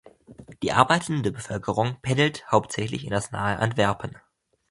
Die arbeitende Bevölkerung pendelt hauptsächlich in das nahe Antwerpen.